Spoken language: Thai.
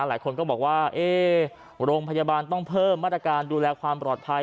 หลายคนก็บอกว่าโรงพยาบาลต้องเพิ่มมาตรการดูแลความปลอดภัย